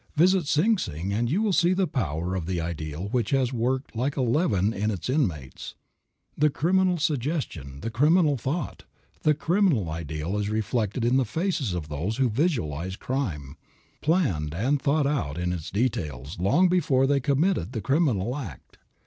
Visit Sing Sing and you will see the power of the ideal which has worked like a leaven in its inmates. The criminal suggestion, the criminal thought, the criminal ideal is reflected in the faces of those who visualized crime, planned and thought out its details long before they committed the criminal act.